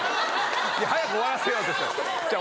早く終わらせようとしてない。